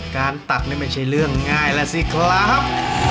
การตัดนี่ไม่ใช่เรื่องง่ายแล้วสิครับ